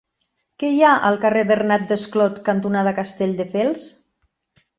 Què hi ha al carrer Bernat Desclot cantonada Castelldefels?